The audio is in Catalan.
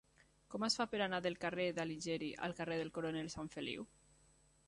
Com es fa per anar del carrer d'Alighieri al carrer del Coronel Sanfeliu?